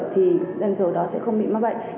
thì dân số đó sẽ không bị mắc bệnh